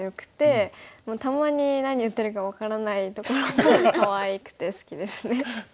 たまに何言ってるか分からないところもかわいくて好きですね。